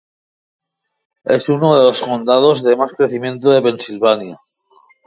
Es uno de los condados de más crecimiento en Pensilvania.